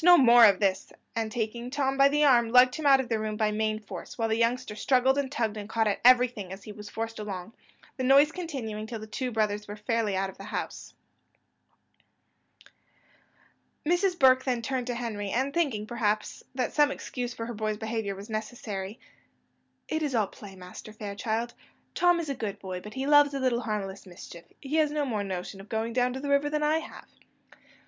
no more of this;" and taking Tom by the arm, lugged him out of the room by main force; whilst the youngster struggled and tugged and caught at everything as he was forced along, the noise continuing till the two brothers were fairly out of the house. [Illustration: "The noise continued till the two brothers were fairly out of the house." Page 230.] Mrs. Burke then turned to Henry; and thinking, perhaps, that some excuse for her boy's behaviour was necessary, she said: "It is all play, Master Fairchild. Tom is a good boy, but he loves a little harmless mischief; he has no more notion of going down to the river than I have."